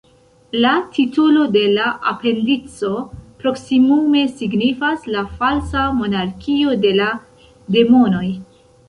La titolo de la la apendico proksimume signifas "la falsa monarkio de la demonoj".